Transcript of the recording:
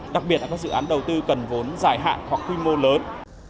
đặc biệt là các dự án đầu tư cần vốn dài hạn hoặc quy mô lớn